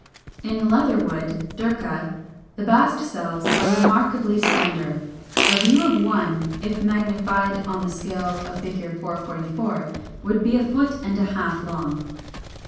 In Leatherwood (Dirca) the bast cells are remarkably slender. A view of one, if magnified on the scale of Fig. 444, would be a foot and a half long.